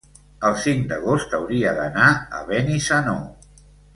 El cinc d'agost hauria d'anar a Benissanó.